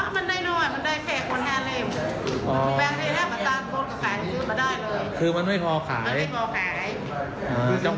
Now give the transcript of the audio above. มันได้น้อยมันได้เผ็ดคนแค่น้ำ